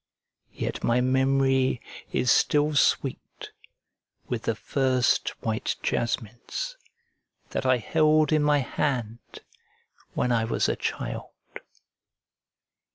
Yet my memory is still sweet with the first white jasmines that I held in my hand when I was a child.